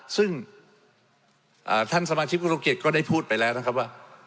ซึ่งท่านสมาชิกอุตเกียจก็ได้พูดไปแล้วนะครับว่า